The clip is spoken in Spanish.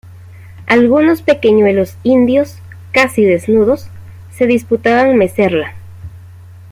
algunos pequeñuelos indios, casi desnudos, se disputaban mecerla.